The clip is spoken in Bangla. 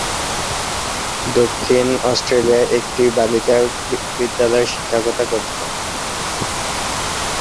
দক্ষিণ অস্ট্রেলিয়ার একটি বালিকা বিদ্যালয়ে শিক্ষকতা করতেন।